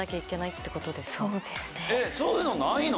そういうのないの？